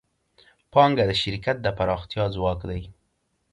پانګه د شرکت د پراختیا ځواک دی.